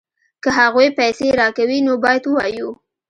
که هغوی پیسې راکوي نو باید ووایو